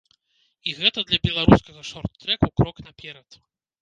І гэта для беларускага шорт-трэку крок наперад.